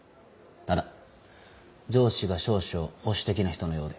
ただ上司が少々保守的な人のようで。